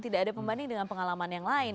tidak ada pembanding dengan pengalaman yang lain